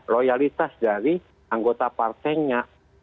loyalitas dari anggota partainya